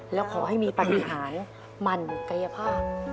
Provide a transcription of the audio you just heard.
แล้วขอให้มีปฏิหารหมั่นกายภาพ